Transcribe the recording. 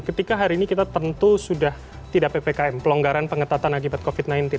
ketika hari ini kita tentu sudah tidak ppkm pelonggaran pengetatan akibat covid sembilan belas